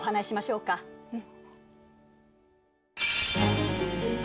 うん。